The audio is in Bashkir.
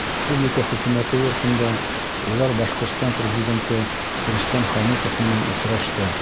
Республика Хөкүмәте йортонда улар Башҡортостан Президенты Рөстәм Хәмитов менән осрашты.